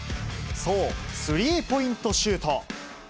そう、スリーポイントシュート。